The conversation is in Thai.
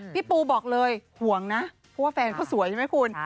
พี่ปูบอกเลยห่วงนะเพราะว่าแฟนเขาสวยใช่ไหมคุณ